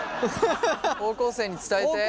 高校生に伝えて。